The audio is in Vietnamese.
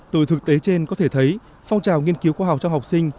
từ thực tế trên có thể thấy phong trào nghiên cứu khoa học cho học sinh